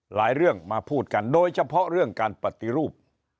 เรื่องมาพูดกันโดยเฉพาะเรื่องการปฏิรูป